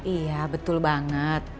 iya betul banget